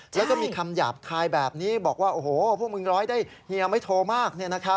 แล้วก็มีคำหยาบคายแบบนี้บอกว่าโอ้โหพวกมึงร้อยได้เฮียไม่โทรมาก